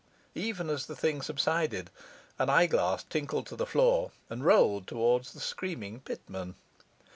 Even as the thing subsided, an eye glass tingled to the floor and rolled toward the screaming Pitman.